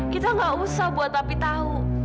kita gak usah buat bapi tahu